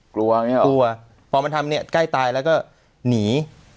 กลัวอย่างนี้หรอกลัวพอมันทำเนี่ยใกล้ตายแล้วก็หนี